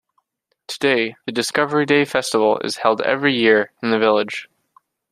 Today, the Discovery Day festival is held every year in the village.